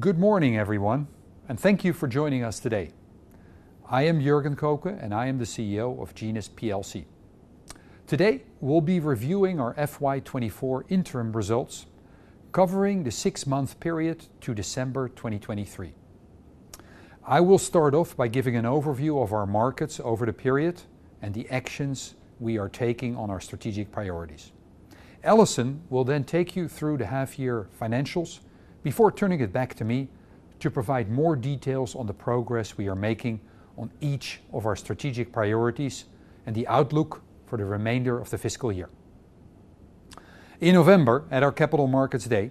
Good morning, everyone, and thank you for joining us today. I am Jorgen Kokke, and I am the CEO of Genus PLC. Today we'll be reviewing our FY2024 interim results covering the six-month period to December 2023. I will start off by giving an overview of our markets over the period and the actions we are taking on our strategic priorities. Alison will then take you through the half-year financials before turning it back to me to provide more details on the progress we are making on each of our strategic priorities and the outlook for the remainder of the fiscal year. In November, at our Capital Markets Day,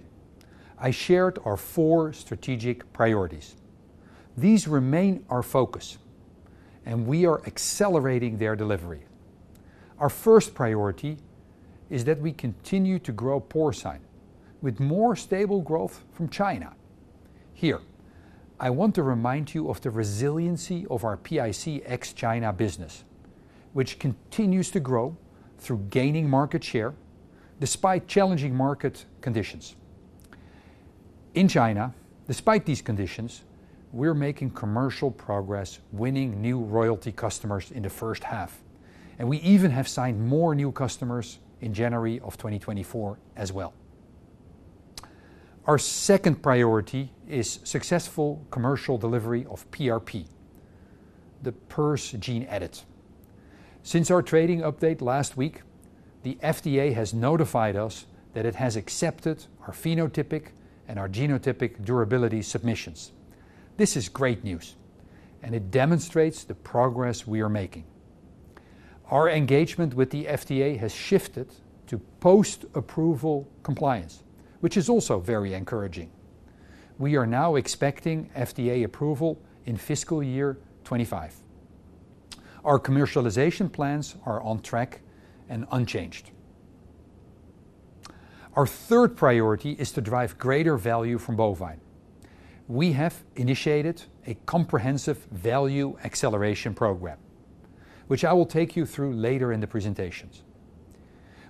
I shared our four strategic priorities. These remain our focus, and we are accelerating their delivery. Our first priority is that we continue to grow porcine with more stable growth from China. Here, I want to remind you of the resiliency of our PIC ex-China business, which continues to grow through gaining market share despite challenging market conditions. In China, despite these conditions, we're making commercial progress winning new royalty customers in the first half. We even have signed more new customers in January of 2024 as well. Our second priority is successful commercial delivery of PRP, the PRRS gene edit. Since our trading update last week, the FDA has notified us that it has accepted our phenotypic and our genotypic durability submissions. This is great news, and it demonstrates the progress we are making. Our engagement with the FDA has shifted to post-approval compliance, which is also very encouraging. We are now expecting FDA approval in fiscal year 2025. Our commercialization plans are on track and unchanged. Our third priority is to drive greater value from bovine. We have initiated a comprehensive Value Acceleration Program, which I will take you through later in the presentations.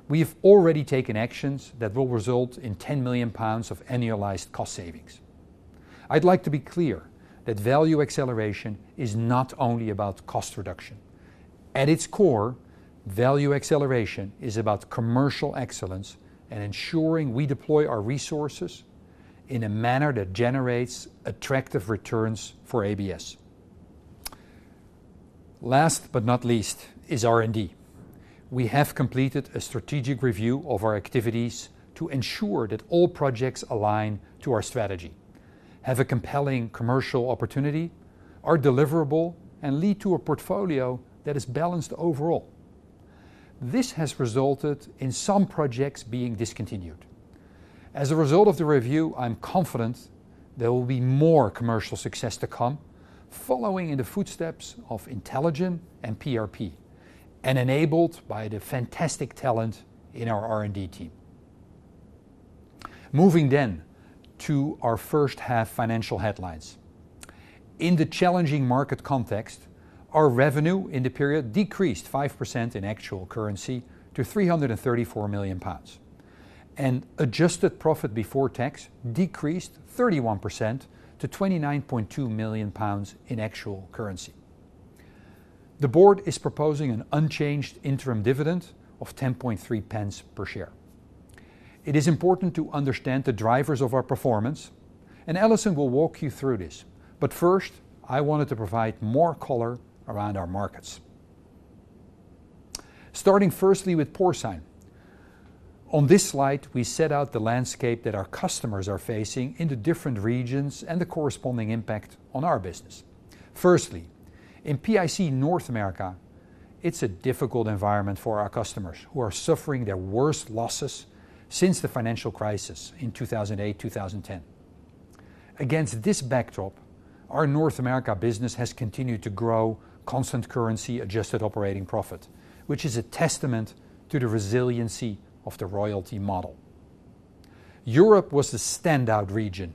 We have already taken actions that will result in 10 million pounds of annualized cost savings. I'd like to be clear that Value Acceleration is not only about cost reduction. At its core, Value Acceleration is about commercial excellence and ensuring we deploy our resources in a manner that generates attractive returns for ABS. Last but not least is R&D. We have completed a strategic review of our activities to ensure that all projects align to our strategy, have a compelling commercial opportunity, are deliverable, and lead to a portfolio that is balanced overall. This has resulted in some projects being discontinued. As a result of the review, I'm confident there will be more commercial success to come following in the footsteps of IntelliGen and PRP and enabled by the fantastic talent in our R&D team. Moving then to our first-half financial headlines. In the challenging market context, our revenue in the period decreased 5% in actual currency to 334 million pounds. Adjusted profit before tax decreased 31% to 29.2 million pounds in actual currency. The board is proposing an unchanged interim dividend of 0.103 per share. It is important to understand the drivers of our performance. Alison will walk you through this. But first, I wanted to provide more color around our markets. Starting firstly with porcine. On this slide, we set out the landscape that our customers are facing in the different regions and the corresponding impact on our business. Firstly, in PIC North America, it's a difficult environment for our customers who are suffering their worst losses since the financial crisis in 2008-2010. Against this backdrop, our North America business has continued to grow constant currency Adjusted Operating Profit, which is a testament to the resiliency of the Royalty Model. Europe was the standout region.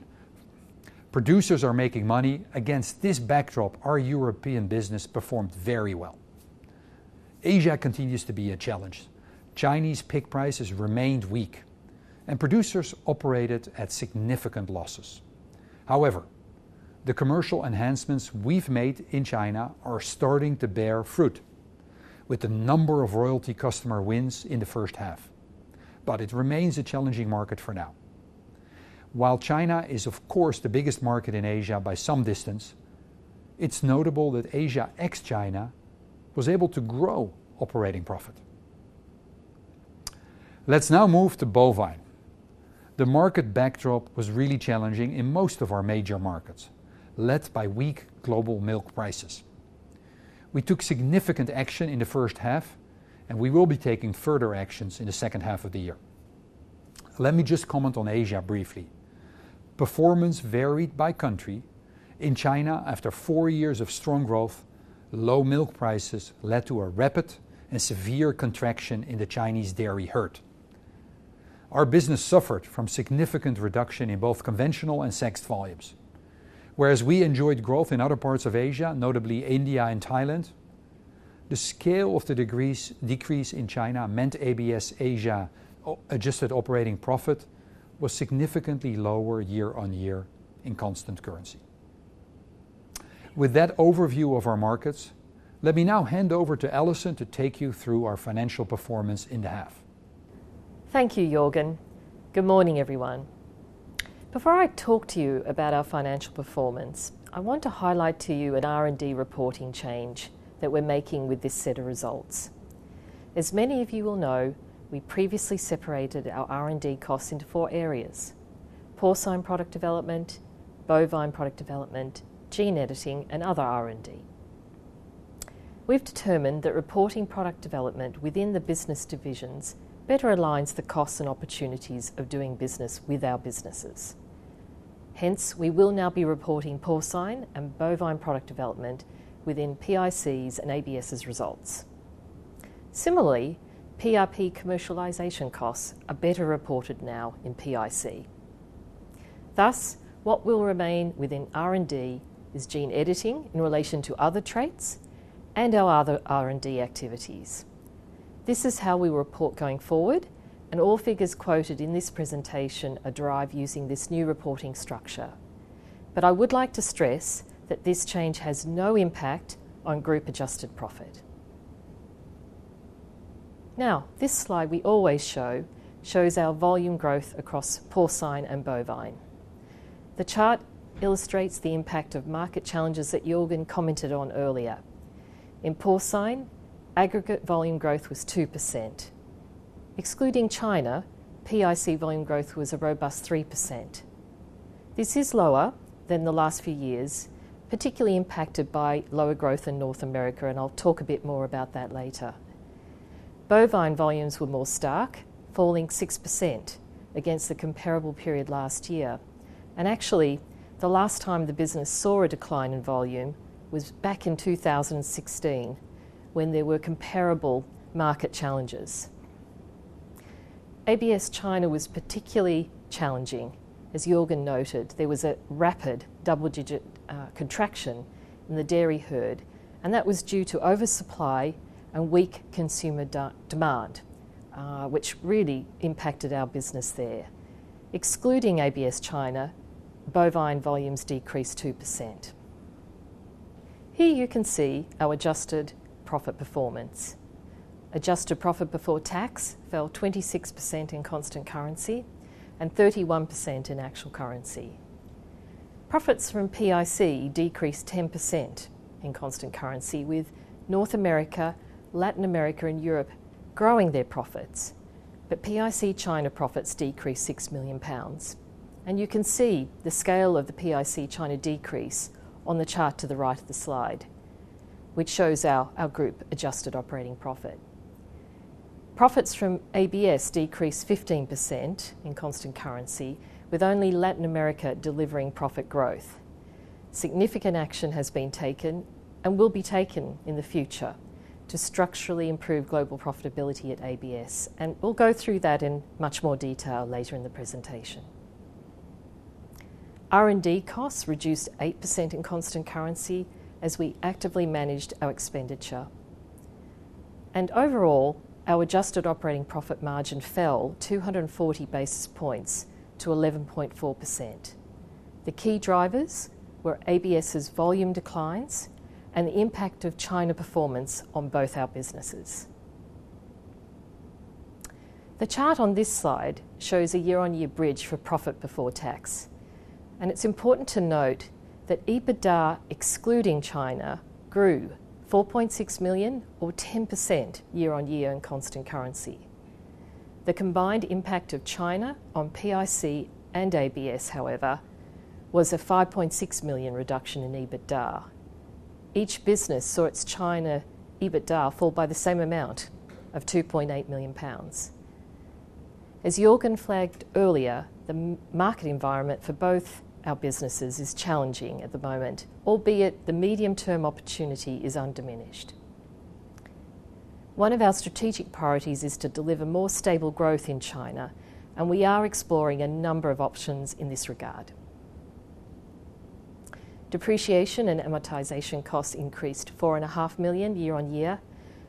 Producers are making money. Against this backdrop, our European business performed very well. Asia continues to be a challenge. Chinese pig prices remained weak. And producers operated at significant losses. However, the commercial enhancements we've made in China are starting to bear fruit with the number of royalty customer wins in the first half. But it remains a challenging market for now. While China is, of course, the biggest market in Asia by some distance, it's notable that Asia ex-China was able to grow operating profit. Let's now move to bovine. The market backdrop was really challenging in most of our major markets led by weak global milk prices. We took significant action in the first half. We will be taking further actions in the second half of the year. Let me just comment on Asia briefly. Performance varied by country. In China, after four years of strong growth, low milk prices led to a rapid and severe contraction in the Chinese dairy herd. Our business suffered from significant reduction in both conventional and sexed volumes. Whereas we enjoyed growth in other parts of Asia, notably India and Thailand, the scale of the decrease in China meant ABS Asia adjusted operating profit was significantly lower year-on-year in constant currency. With that overview of our markets, let me now hand over to Alison to take you through our financial performance in the half. Thank you, Jorgen. Good morning, everyone. Before I talk to you about our financial performance, I want to highlight to you an R&D reporting change that we're making with this set of results. As many of you will know, we previously separated our R&D costs into four areas: porcine product development, bovine product development, gene editing, and other R&D. We've determined that reporting product development within the business divisions better aligns the costs and opportunities of doing business with our businesses. Hence, we will now be reporting porcine and bovine product development within PIC's and ABS's results. Similarly, PRP commercialization costs are better reported now in PIC. Thus, what will remain within R&D is gene editing in relation to other traits and our other R&D activities. This is how we will report going forward. And all figures quoted in this presentation are derived using this new reporting structure. But I would like to stress that this change has no impact on group adjusted profit. Now, this slide we always show shows our volume growth across porcine and bovine. The chart illustrates the impact of market challenges that Jorgen commented on earlier. In porcine, aggregate volume growth was 2%. Excluding China, PIC volume growth was a robust 3%. This is lower than the last few years, particularly impacted by lower growth in North America. And I'll talk a bit more about that later. Bovine volumes were more stark, falling 6% against the comparable period last year. And actually, the last time the business saw a decline in volume was back in 2016 when there were comparable market challenges. ABS China was particularly challenging. As Jorgen noted, there was a rapid double-digit contraction in the dairy herd. That was due to oversupply and weak consumer demand, which really impacted our business there. Excluding ABS China, bovine volumes decreased 2%. Here you can see our adjusted profit performance. Adjusted Profit Before Tax fell 26% in Constant Currency and 31% in actual currency. Profits from PIC decreased 10% in Constant Currency with North America, Latin America, and Europe growing their profits. But PIC China profits decreased 6 million pounds. You can see the scale of the PIC China decrease on the chart to the right of the slide, which shows our group Adjusted Operating Profit. Profits from ABS decreased 15% in Constant Currency with only Latin America delivering profit growth. Significant action has been taken and will be taken in the future to structurally improve global profitability at ABS. We'll go through that in much more detail later in the presentation. R&D costs reduced 8% in constant currency as we actively managed our expenditure. Overall, our adjusted operating profit margin fell 240 basis points to 11.4%. The key drivers were ABS's volume declines and the impact of China performance on both our businesses. The chart on this slide shows a year-on-year bridge for profit before tax. It's important to note that EBITDA excluding China grew 4.6 million, or 10%, year-on-year in constant currency. The combined impact of China on PIC and ABS, however, was a 5.6 million reduction in EBITDA. Each business saw its China EBITDA fall by the same amount of 2.8 million pounds. As Jorgen flagged earlier, the market environment for both our businesses is challenging at the moment, albeit the medium-term opportunity is undiminished. One of our strategic priorities is to deliver more stable growth in China. We are exploring a number of options in this regard. Depreciation and amortization costs increased 4.5 million year-over-year,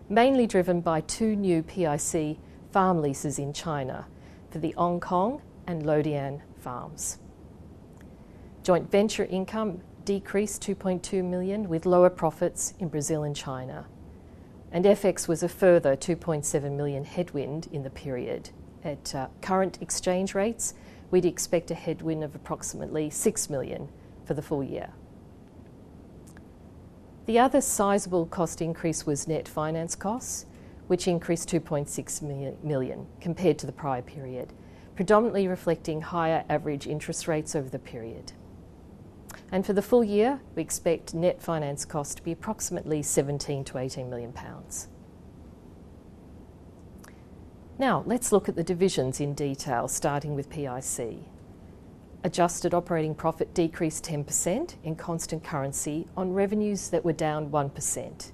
mainly driven by two new PIC farm leases in China for the Hong Kong and Lodian farms. Joint venture income decreased 2.2 million with lower profits in Brazil and China. FX was a further 2.7 million headwind in the period. At current exchange rates, we'd expect a headwind of approximately 6 million for the full year. The other sizable cost increase was net finance costs, which increased 2.6 million compared to the prior period, predominantly reflecting higher average interest rates over the period. For the full year, we expect net finance costs to be approximately 17 million-18 million pounds. Now, let's look at the divisions in detail, starting with PIC. Adjusted operating profit decreased 10% in constant currency on revenues that were down 1%.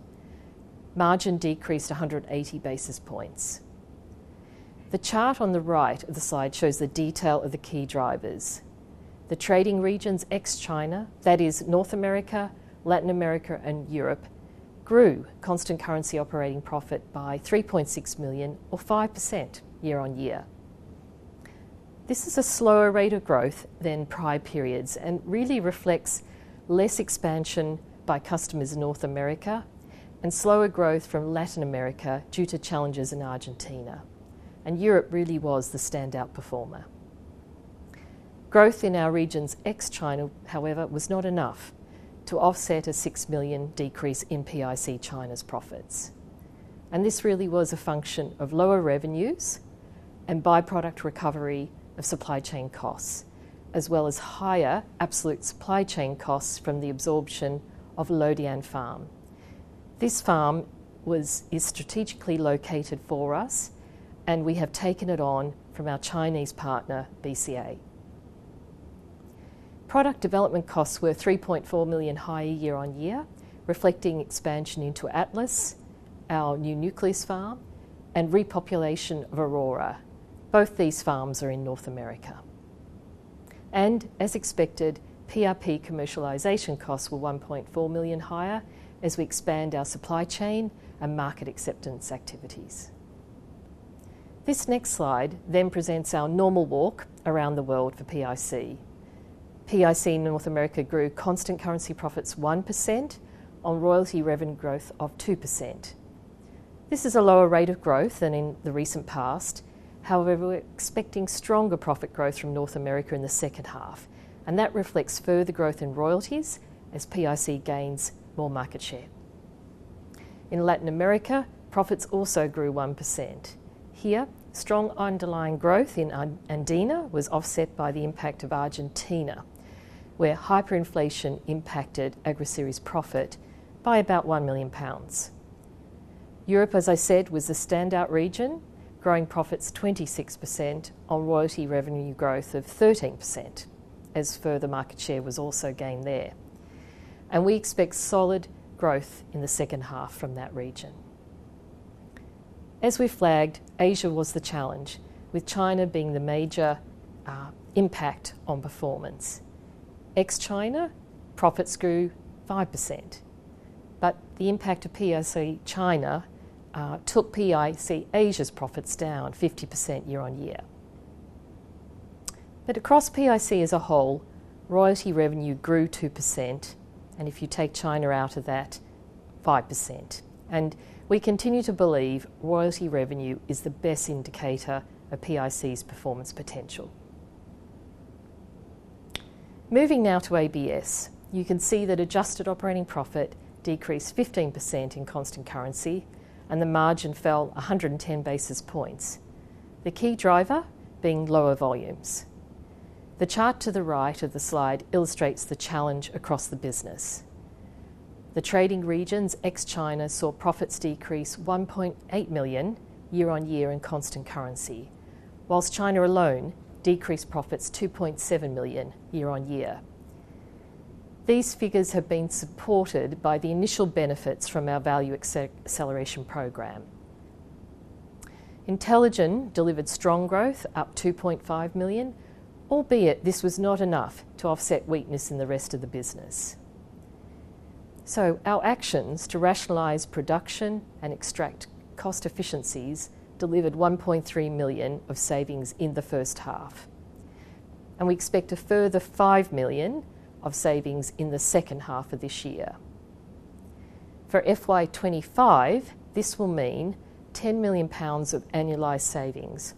Margin decreased 180 basis points. The chart on the right of the slide shows the detail of the key drivers. The trading regions ex-China, that is, North America, Latin America, and Europe, grew constant currency operating profit by 3.6 million, or 5%, year-on-year. This is a slower rate of growth than prior periods and really reflects less expansion by customers in North America and slower growth from Latin America due to challenges in Argentina. Europe really was the standout performer. Growth in our regions ex-China, however, was not enough to offset a 6 million decrease in PIC China's profits. This really was a function of lower revenues and byproduct recovery of supply chain costs, as well as higher absolute supply chain costs from the absorption of Lodian Farm. This farm is strategically located for us. We have taken it on from our Chinese partner, BCA. Product development costs were 3.4 million higher year-over-year, reflecting expansion into Atlas, our new nucleus farm, and repopulation of Aurora. Both these farms are in North America. As expected, PRP commercialization costs were 1.4 million higher as we expand our supply chain and market acceptance activities. This next slide presents our normal walk around the world for PIC. PIC North America grew constant currency profits 1% on royalty revenue growth of 2%. This is a lower rate of growth than in the recent past. However, we're expecting stronger profit growth from North America in the second half. That reflects further growth in royalties as PIC gains more market share. In Latin America, profits also grew 1%. Here, strong underlying growth in Andina was offset by the impact of Argentina, where hyperinflation impacted Agroceres profit by about 1 million pounds. Europe, as I said, was the standout region, growing profits 26% on royalty revenue growth of 13%, as further market share was also gained there. We expect solid growth in the second half from that region. As we flagged, Asia was the challenge, with China being the major impact on performance. Ex-China, profits grew 5%. The impact of PIC China took PIC Asia's profits down 50% year-on-year. Across PIC as a whole, royalty revenue grew 2%. If you take China out of that, 5%. We continue to believe royalty revenue is the best indicator of PIC's performance potential. Moving now to ABS, you can see that Adjusted Operating Profit decreased 15% in Constant Currency. The margin fell 110 basis points, the key driver being lower volumes. The chart to the right of the slide illustrates the challenge across the business. The trading regions ex-China saw profits decrease 1.8 million year-on-year in constant currency, while China alone decreased profits 2.7 million year-on-year. These figures have been supported by the initial benefits from our Value Acceleration Program. IntelliGen delivered strong growth, up 2.5 million, albeit this was not enough to offset weakness in the rest of the business. So our actions to rationalize production and extract cost efficiencies delivered 1.3 million of savings in the first half. And we expect a further 5 million of savings in the second half of this year. For FY25, this will mean 10 million pounds of annualized savings,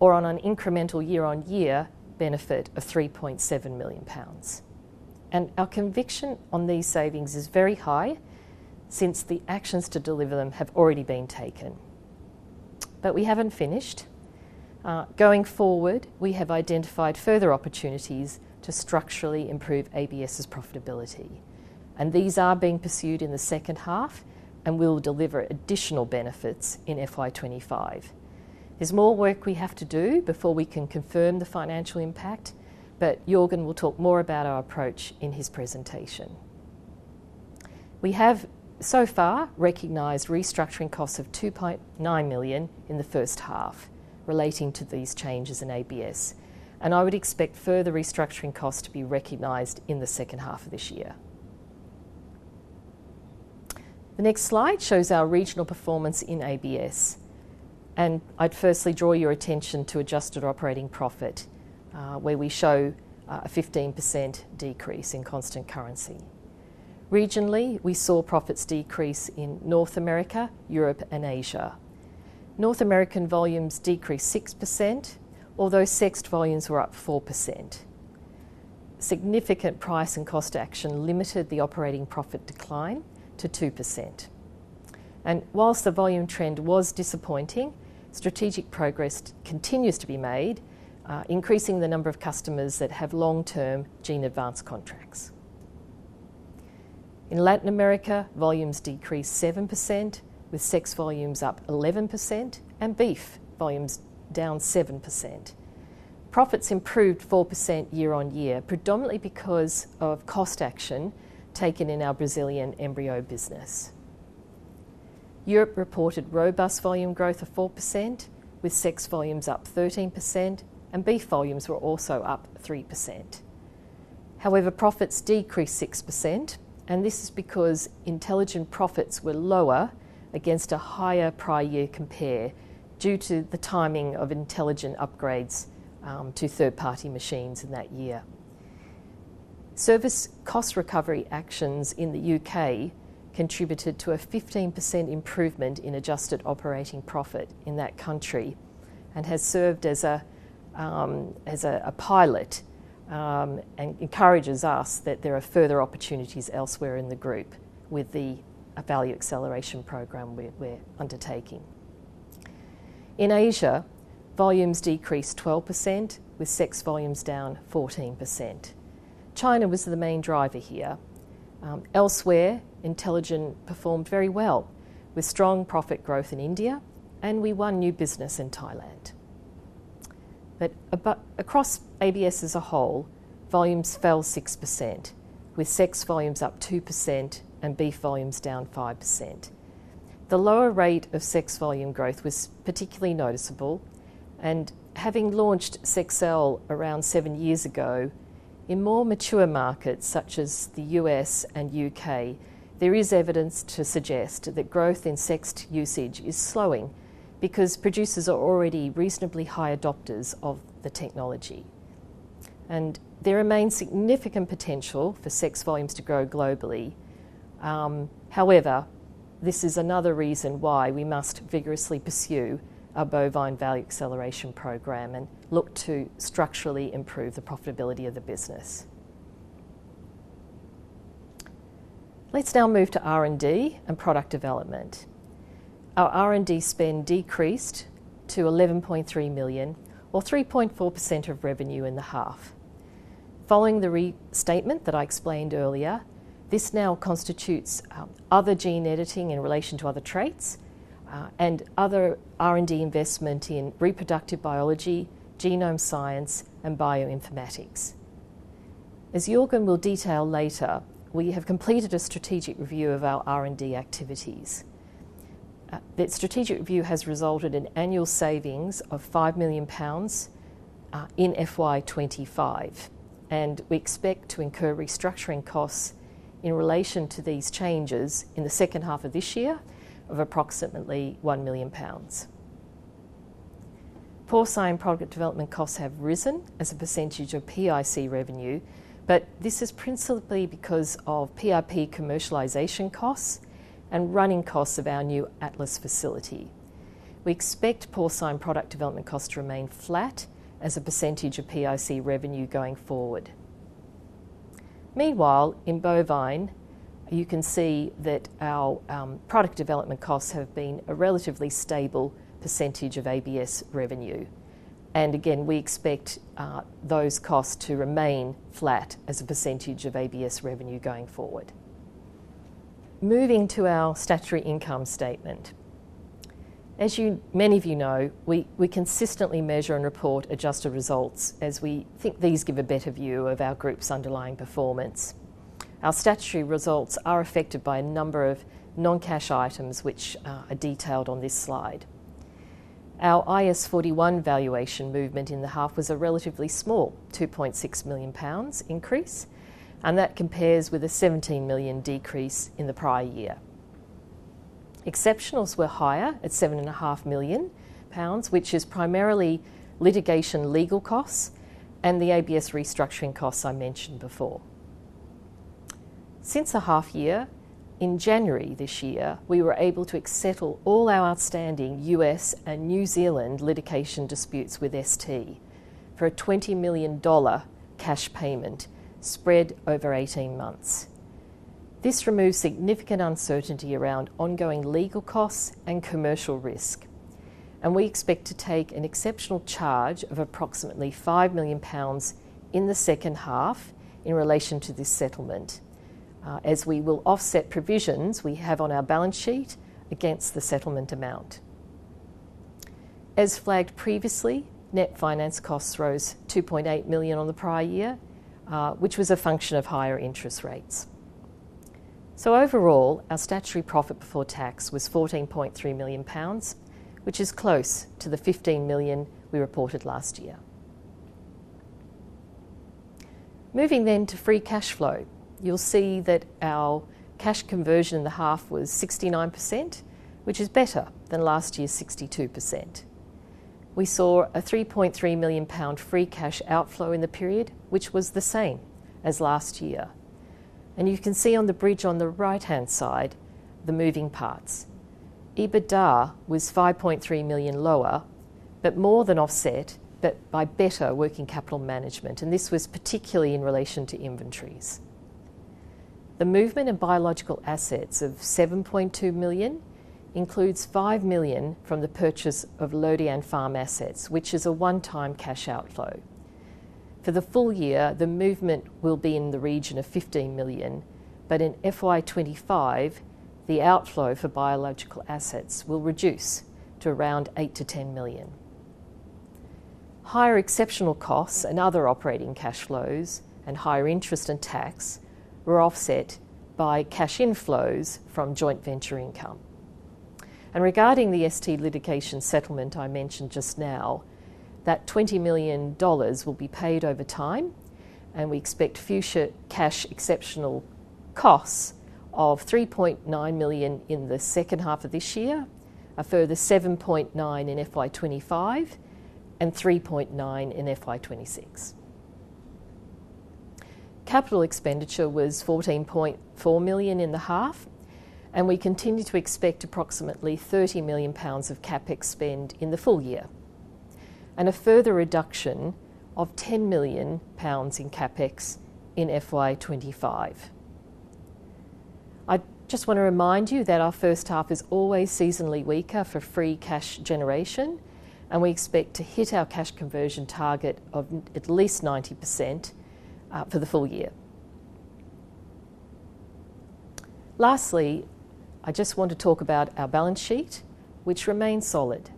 or on an incremental year-on-year benefit of 3.7 million pounds. And our conviction on these savings is very high since the actions to deliver them have already been taken. But we haven't finished. Going forward, we have identified further opportunities to structurally improve ABS's profitability. These are being pursued in the second half and will deliver additional benefits in FY25. There's more work we have to do before we can confirm the financial impact. Jorgen will talk more about our approach in his presentation. We have, so far, recognized restructuring costs of 2.9 million in the first half relating to these changes in ABS. I would expect further restructuring costs to be recognized in the second half of this year. The next slide shows our regional performance in ABS. I'd firstly draw your attention to adjusted operating profit, where we show a 15% decrease in constant currency. Regionally, we saw profits decrease in North America, Europe, and Asia. North American volumes decreased 6%, although sexed volumes were up 4%. Significant price and cost action limited the operating profit decline to 2%. While the volume trend was disappointing, strategic progress continues to be made, increasing the number of customers that have long-term Gene Advance contracts. In Latin America, volumes decreased 7%, with sex volumes up 11% and beef volumes down 7%. Profits improved 4% year on year, predominantly because of cost action taken in our Brazilian embryo business. Europe reported robust volume growth of 4%, with sex volumes up 13%. Beef volumes were also up 3%. However, profits decreased 6%. This is because IntelliGen profits were lower against a higher prior year compare due to the timing of IntelliGen upgrades to third-party machines in that year. Service cost recovery actions in the U.K. contributed to a 15% improvement in adjusted operating profit in that country and has served as a pilot and encourages us that there are further opportunities elsewhere in the group with the Value Acceleration Program we're undertaking. In Asia, volumes decreased 12%, with sex volumes down 14%. China was the main driver here. Elsewhere, IntelliGen performed very well with strong profit growth in India. We won new business in Thailand. Across ABS as a whole, volumes fell 6%, with sex volumes up 2% and beef volumes down 5%. The lower rate of sex volume growth was particularly noticeable. Having launched Sexcel around seven years ago, in more mature markets such as the U.S. and U.K., there is evidence to suggest that growth in sexed usage is slowing because producers are already reasonably high adopters of the technology. There remains significant potential for sex volumes to grow globally. However, this is another reason why we must vigorously pursue our bovine Value Acceleration Program and look to structurally improve the profitability of the business. Let's now move to R&D and product development. Our R&D spend decreased to 11.3 million, or 3.4% of revenue in the half. Following the restatement that I explained earlier, this now constitutes other gene editing in relation to other traits and other R&D investment in reproductive biology, genome science, and bioinformatics. As Jorgen will detail later, we have completed a strategic review of our R&D activities. That strategic review has resulted in annual savings of 5 million pounds in FY25. We expect to incur restructuring costs in relation to these changes in the second half of this year of approximately 1 million pounds. Porcine product development costs have risen as a percentage of PIC revenue. But this is principally because of PRP commercialization costs and running costs of our new Atlas facility. We expect porcine product development costs to remain flat as a percentage of PIC revenue going forward. Meanwhile, in bovine, you can see that our product development costs have been a relatively stable percentage of ABS revenue. And again, we expect those costs to remain flat as a percentage of ABS revenue going forward. Moving to our statutory income statement. As many of you know, we consistently measure and report adjusted results as we think these give a better view of our group's underlying performance. Our statutory results are affected by a number of non-cash items, which are detailed on this slide. Our IAS 41 valuation movement in the half was a relatively small 2.6 million pounds increase. That compares with a 17 million decrease in the prior year. Exceptionals were higher at 7.5 million pounds, which is primarily litigation legal costs and the ABS restructuring costs I mentioned before. Since a half year, in January this year, we were able to settle all our outstanding U.S. and New Zealand litigation disputes with ST for a $20 million cash payment spread over 18 months. This removes significant uncertainty around ongoing legal costs and commercial risk. And we expect to take an exceptional charge of approximately 5 million pounds in the second half in relation to this settlement as we will offset provisions we have on our balance sheet against the settlement amount. As flagged previously, net finance costs rose 2.8 million on the prior year, which was a function of higher interest rates. So overall, our statutory profit before tax was 14.3 million pounds, which is close to the 15 million we reported last year. Moving then to free cash flow, you'll see that our cash conversion in the half was 69%, which is better than last year's 62%. We saw a 3.3 million pound free cash outflow in the period, which was the same as last year. And you can see on the bridge on the right-hand side, the moving parts. EBITDA was 5.3 million lower, but more than offset, but by better working capital management. And this was particularly in relation to inventories. The movement in biological assets of 7.2 million includes 5 million from the purchase of Lodian Farm assets, which is a one-time cash outflow. For the full year, the movement will be in the region of 15 million. In FY25, the outflow for biological assets will reduce to around 8-10 million. Higher exceptional costs and other operating cash flows and higher interest and tax were offset by cash inflows from joint venture income. Regarding the ST litigation settlement I mentioned just now, that $20 million will be paid over time. We expect future cash exceptional costs of 3.9 million in the second half of this year, a further 7.9 million in FY25, and 3.9 million in FY26. Capital expenditure was 14.4 million in the half. We continue to expect approximately 30 million pounds of CapEx spend in the full year and a further reduction of 10 million pounds in CapEx in FY25. I just want to remind you that our first half is always seasonally weaker for free cash generation. We expect to hit our cash conversion target of at least 90% for the full year. Lastly, I just want to talk about our balance sheet, which remains solid.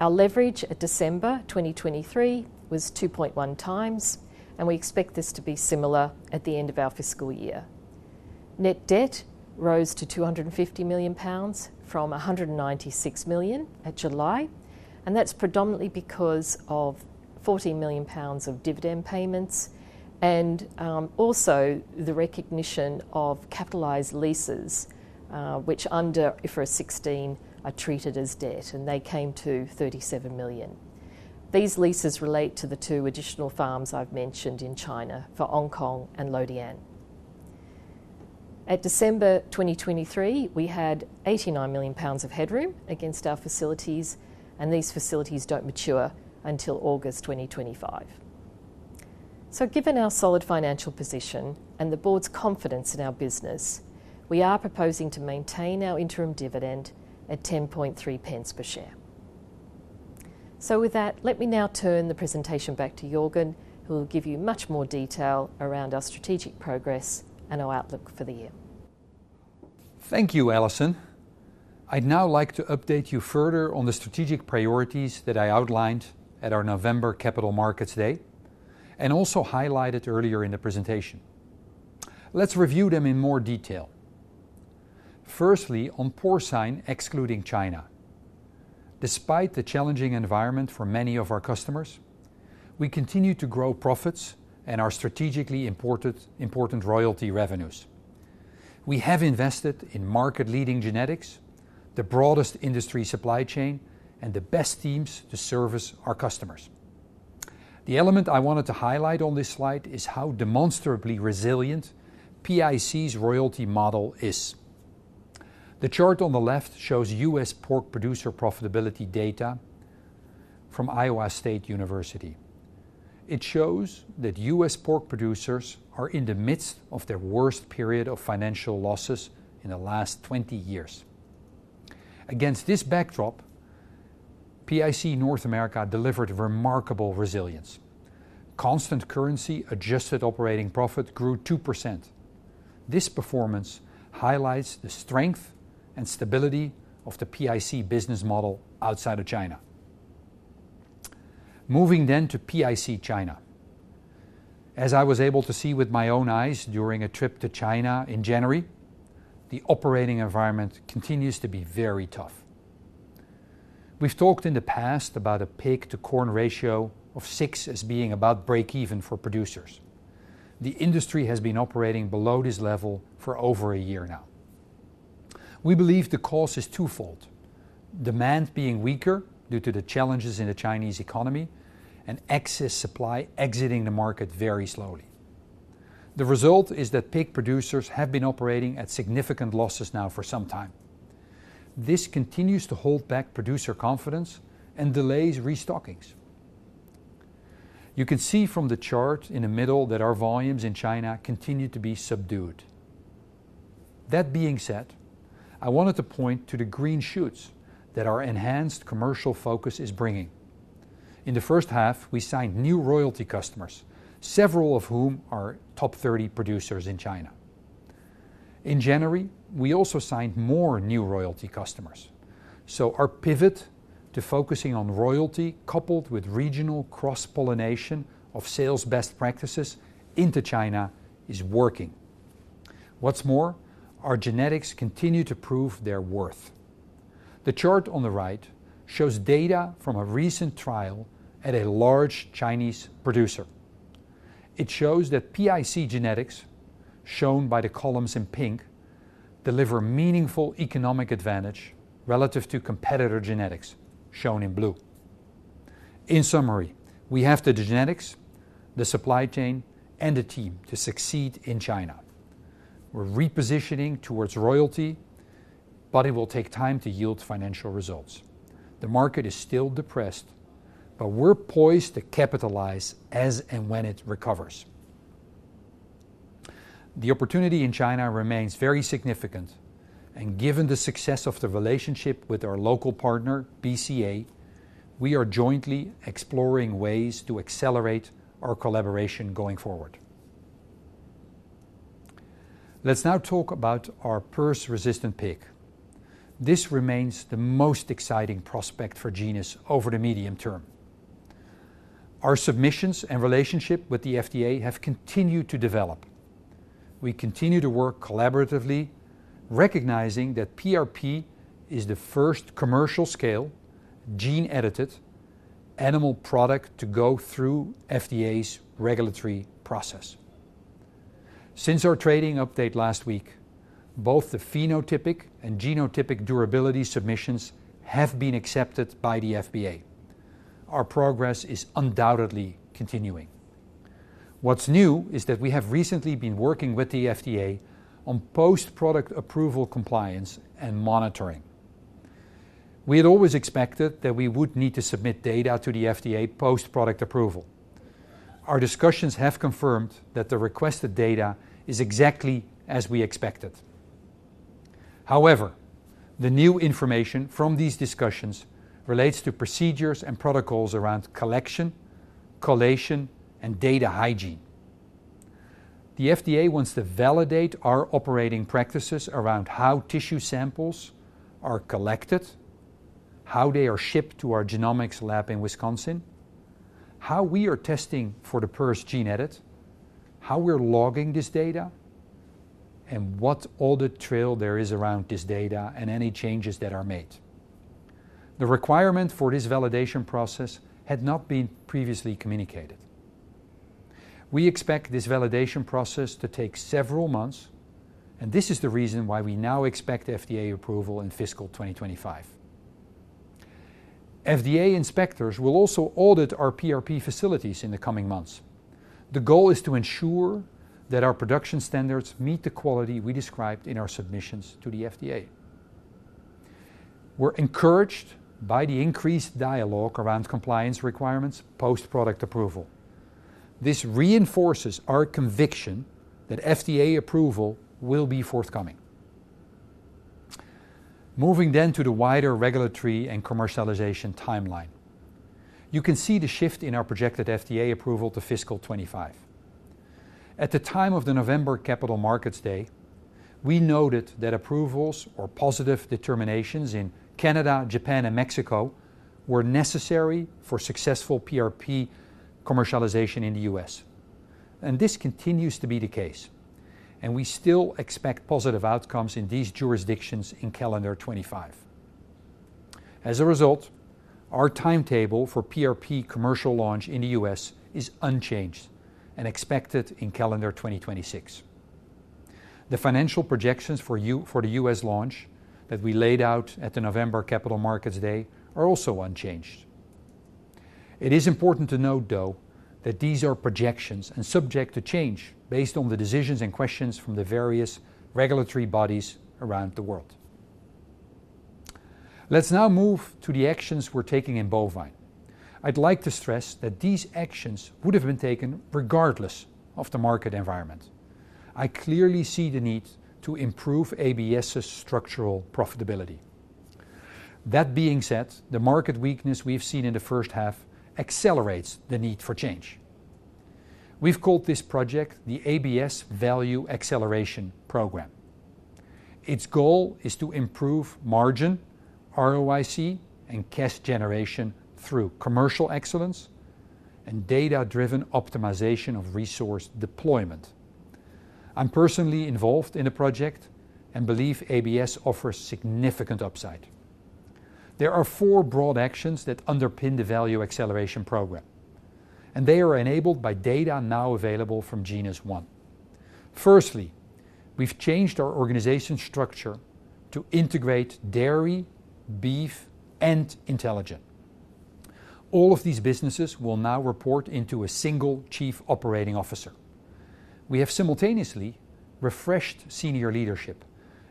Our leverage at December 2023 was 2.1 times. We expect this to be similar at the end of our fiscal year. Net debt rose to 250 million pounds from 196 million at July. That's predominantly because of 14 million pounds of dividend payments and also the recognition of capitalized leases, which under IFRS 16 are treated as debt. They came to 37 million. These leases relate to the two additional farms I've mentioned in China for Hong Kong and Lodian. At December 2023, we had 89 million pounds of headroom against our facilities. These facilities don't mature until August 2025. So given our solid financial position and the board's confidence in our business, we are proposing to maintain our interim dividend at 0.103 per share. So with that, let me now turn the presentation back to Jorgen, who will give you much more detail around our strategic progress and our outlook for the year. Thank you, Alison. I'd now like to update you further on the strategic priorities that I outlined at our November Capital Markets Day and also highlighted earlier in the presentation. Let's review them in more detail. Firstly, on porcine excluding China. Despite the challenging environment for many of our customers, we continue to grow profits and our strategically important royalty revenues. We have invested in market-leading genetics, the broadest industry supply chain, and the best teams to service our customers. The element I wanted to highlight on this slide is how demonstrably resilient PIC's royalty model is. The chart on the left shows U.S. pork producer profitability data from Iowa State University. It shows that U.S. pork producers are in the midst of their worst period of financial losses in the last 20 years. Against this backdrop, PIC North America delivered remarkable resilience. Constant Currency Adjusted Operating Profit grew 2%. This performance highlights the strength and stability of the PIC business model outside of China. Moving then to PIC China. As I was able to see with my own eyes during a trip to China in January, the operating environment continues to be very tough. We've talked in the past about a pig-to-corn ratio of six as being about break-even for producers. The industry has been operating below this level for over a year now. We believe the cause is twofold: demand being weaker due to the challenges in the Chinese economy and excess supply exiting the market very slowly. The result is that pig producers have been operating at significant losses now for some time. This continues to hold back producer confidence and delays restockings. You can see from the chart in the middle that our volumes in China continue to be subdued. That being said, I wanted to point to the green shoots that our enhanced commercial focus is bringing. In the first half, we signed new royalty customers, several of whom are top 30 producers in China. In January, we also signed more new royalty customers. So our pivot to focusing on royalty coupled with regional cross-pollination of sales best practices into China is working. What's more, our genetics continue to prove their worth. The chart on the right shows data from a recent trial at a large Chinese producer. It shows that PIC genetics, shown by the columns in pink, deliver meaningful economic advantage relative to competitor genetics, shown in blue. In summary, we have the genetics, the supply chain, and the team to succeed in China. We're repositioning towards royalty. But it will take time to yield financial results. The market is still depressed. But we're poised to capitalize as and when it recovers. The opportunity in China remains very significant. And given the success of the relationship with our local partner, BCA, we are jointly exploring ways to accelerate our collaboration going forward. Let's now talk about our PRRS-resistant pig. This remains the most exciting prospect for Genus over the medium term. Our submissions and relationship with the FDA have continued to develop. We continue to work collaboratively, recognizing that PRP is the first commercial-scale, gene-edited, animal product to go through FDA's regulatory process. Since our trading update last week, both the phenotypic and genotypic durability submissions have been accepted by the FDA. Our progress is undoubtedly continuing. What's new is that we have recently been working with the FDA on post-product approval compliance and monitoring. We had always expected that we would need to submit data to the FDA post-product approval. Our discussions have confirmed that the requested data is exactly as we expected. However, the new information from these discussions relates to procedures and protocols around collection, collation, and data hygiene. The FDA wants to validate our operating practices around how tissue samples are collected, how they are shipped to our genomics lab in Wisconsin, how we are testing for the PRRS gene edit, how we're logging this data, and what audit trail there is around this data and any changes that are made. The requirement for this validation process had not been previously communicated. We expect this validation process to take several months. This is the reason why we now expect FDA approval in fiscal 2025. FDA inspectors will also audit our PRP facilities in the coming months. The goal is to ensure that our production standards meet the quality we described in our submissions to the FDA. We're encouraged by the increased dialogue around compliance requirements post-product approval. This reinforces our conviction that FDA approval will be forthcoming. Moving then to the wider regulatory and commercialization timeline. You can see the shift in our projected FDA approval to fiscal 2025. At the time of the November Capital Markets Day, we noted that approvals or positive determinations in Canada, Japan, and Mexico were necessary for successful PRP commercialization in the U.S. This continues to be the case. We still expect positive outcomes in these jurisdictions in calendar 2025. As a result, our timetable for PRP commercial launch in the U.S. is unchanged and expected in calendar 2026. The financial projections for the U.S. launch that we laid out at the November Capital Markets Day are also unchanged. It is important to note, though, that these are projections and subject to change based on the decisions and questions from the various regulatory bodies around the world. Let's now move to the actions we're taking in bovine. I'd like to stress that these actions would have been taken regardless of the market environment. I clearly see the need to improve ABS's structural profitability. That being said, the market weakness we've seen in the first half accelerates the need for change. We've called this project the ABS Value Acceleration Program. Its goal is to improve margin, ROIC, and cash generation through commercial excellence and data-driven optimization of resource deployment. I'm personally involved in the project and believe ABS offers significant upside. There are four broad actions that underpin the Value Acceleration Program. They are enabled by data now available from GenusOne. Firstly, we've changed our organization structure to integrate dairy, beef, and IntelliGen. All of these businesses will now report into a single Chief Operating Officer. We have simultaneously refreshed senior leadership.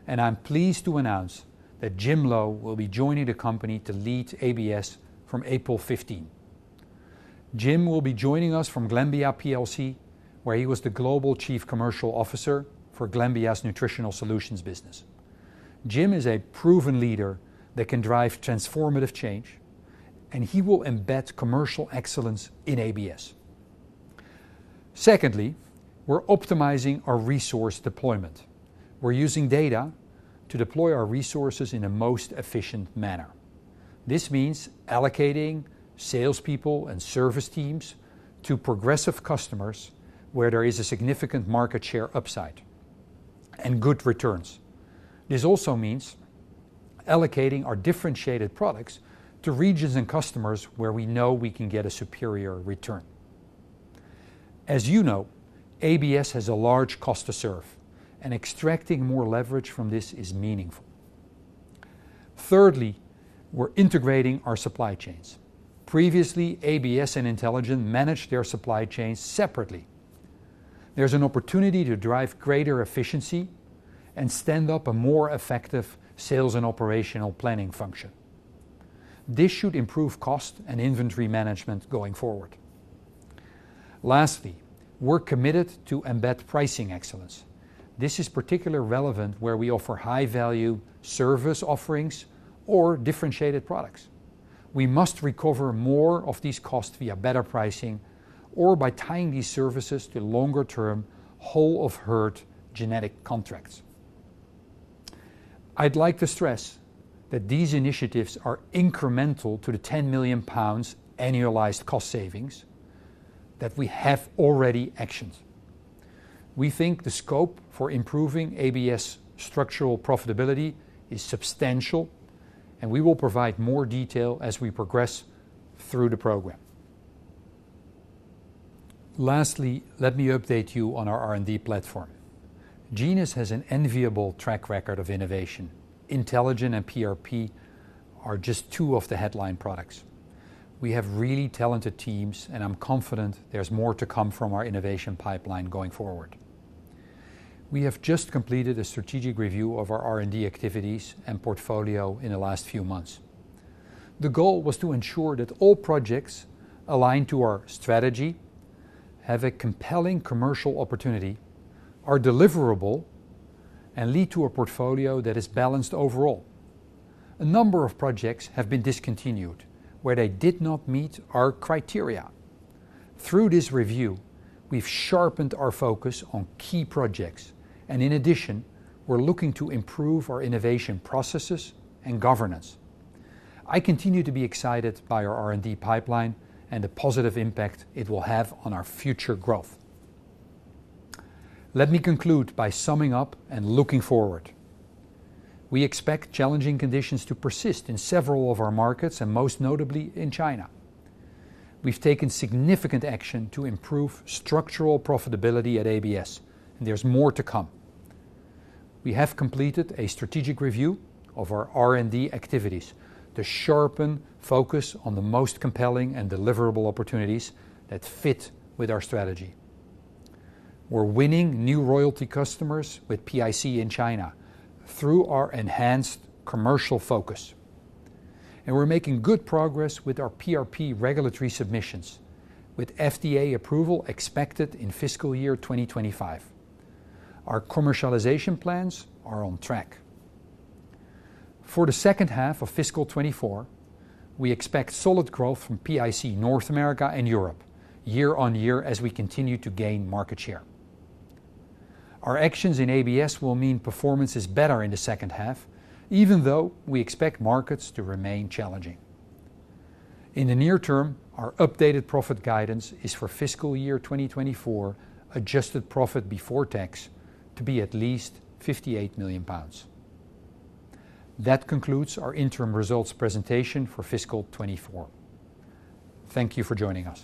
I'm pleased to announce that Jim Lowe will be joining the company to lead ABS from April 15. Jim will be joining us from Glanbia PLC, where he was the Global Chief Commercial Officer for Glanbia's nutritional solutions business. Jim is a proven leader that can drive transformative change. And he will embed commercial excellence in ABS. Secondly, we're optimizing our resource deployment. We're using data to deploy our resources in a most efficient manner. This means allocating salespeople and service teams to progressive customers where there is a significant market share upside and good returns. This also means allocating our differentiated products to regions and customers where we know we can get a superior return. As you know, ABS has a large cost to serve. And extracting more leverage from this is meaningful. Thirdly, we're integrating our supply chains. Previously, ABS and IntelliGen managed their supply chains separately. There's an opportunity to drive greater efficiency and stand up a more effective sales and operational planning function. This should improve cost and inventory management going forward. Lastly, we're committed to embed pricing excellence. This is particularly relevant where we offer high-value service offerings or differentiated products. We must recover more of these costs via better pricing or by tying these services to longer-term, whole-of-herd genetic contracts. I'd like to stress that these initiatives are incremental to the 10 million pounds annualized cost savings. That we have already actions. We think the scope for improving ABS structural profitability is substantial. We will provide more detail as we progress through the program. Lastly, let me update you on our R&D platform. Genus has an enviable track record of innovation. IntelliGen and PRP are just two of the headline products. We have really talented teams. I'm confident there's more to come from our innovation pipeline going forward. We have just completed a strategic review of our R&D activities and portfolio in the last few months. The goal was to ensure that all projects align to our strategy, have a compelling commercial opportunity, are deliverable, and lead to a portfolio that is balanced overall. A number of projects have been discontinued where they did not meet our criteria. Through this review, we've sharpened our focus on key projects. And in addition, we're looking to improve our innovation processes and governance. I continue to be excited by our R&D pipeline and the positive impact it will have on our future growth. Let me conclude by summing up and looking forward. We expect challenging conditions to persist in several of our markets and most notably in China. We've taken significant action to improve structural profitability at ABS. There's more to come. We have completed a strategic review of our R&D activities to sharpen focus on the most compelling and deliverable opportunities that fit with our strategy. We're winning new royalty customers with PIC in China through our enhanced commercial focus. We're making good progress with our PRP regulatory submissions, with FDA approval expected in fiscal year 2025. Our commercialization plans are on track. For the second half of fiscal 2024, we expect solid growth from PIC North America and Europe year-over-year as we continue to gain market share. Our actions in ABS will mean performance is better in the second half, even though we expect markets to remain challenging. In the near term, our updated profit guidance is for fiscal year 2024 adjusted profit before tax to be at least 58 million pounds. That concludes our interim results presentation for fiscal 2024. Thank you for joining us.